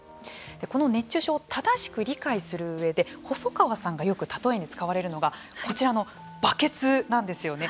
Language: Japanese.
この熱中症を正しく理解する上で細川さんがよく例えに使われるのがこちらのバケツなんですよね。